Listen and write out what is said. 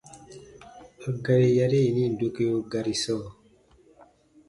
A gari yari yini dokeo gari sɔɔ: